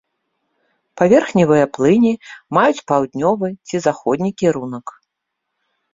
Паверхневыя плыні маюць паўднёвы ці заходні кірунак.